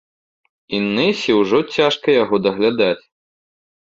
Інэсе ўжо цяжка яго даглядаць.